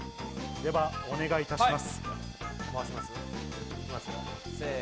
ではお願いします。